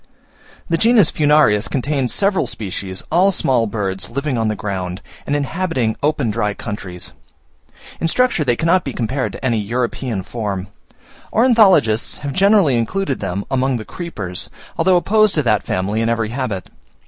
The genus Furnarius contains several species, all small birds, living on the ground, and inhabiting open dry countries. In structure they cannot be compared to any European form. Ornithologists have generally included them among the creepers, although opposed to that family in every habit.